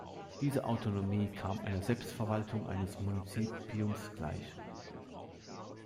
Diese Autonomie kam einer Selbstverwaltung eines Municipiums gleich.